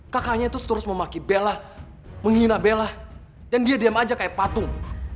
kakaknya itu seterus memaki bella menghina bella dan dia diem aja kayak patung